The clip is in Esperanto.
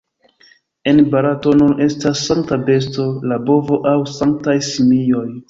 En Barato nun estas sankta besto la bovo aŭ sanktaj simioj.